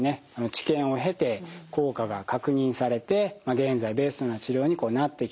治験を経て効果が確認されて現在ベストな治療になってきてるという歴史がございます。